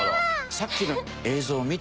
さっきの映像見てた？